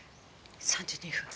３時２分。